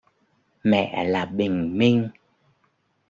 Mẹ là bình minh